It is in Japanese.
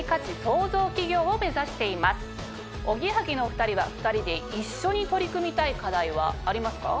おぎやはぎのお２人は２人で一緒に取り組みたい課題はありますか？